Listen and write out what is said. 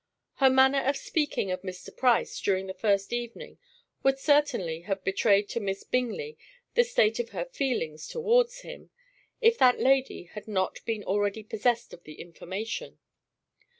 Her manner of speaking of Mr. Price during the first evening would certainly have betrayed to Miss Bingley the state of her feelings towards him, if that lady had not been already possessed of the information.